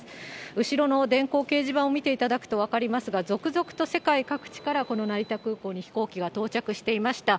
後ろの電光掲示板を見ていただくと分かりますが、続々と世界各地から、この成田空港に飛行機が到着していました。